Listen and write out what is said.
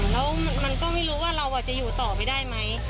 แล้วมันก็ไม่รู้ว่าเราจะอยู่ต่อไปได้ไหม